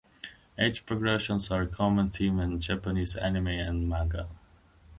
Age progressions are a common theme in Japanese anime and manga.